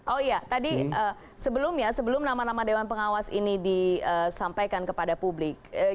oh ya tadi sebelumnya sebelum nama nama dewan pengawas ini disampaikan kepada pak haryono